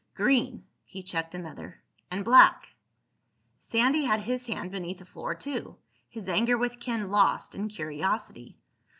"Green." He checked another. "And black." Sandy had his hand beneath the floor too, his anger with Ken lost in curiosity.